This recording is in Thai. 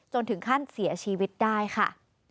ถึงขั้นเสียชีวิตได้ค่ะ